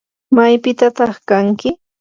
¿maypitataq kanki?